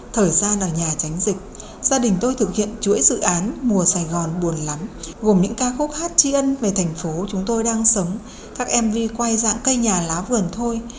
thời gian ở nhà tránh dịch gia đình tôi thực hiện chuỗi dự án mùa sài gòn buồn lắm gồm những ca khúc hát chi ân về thành phố chúng tôi đang sống các mv quay dạng cây nhà lá vườn thôi